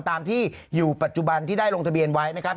ตามที่อยู่ปัจจุบันที่ได้ลงทะเบียนไว้นะครับ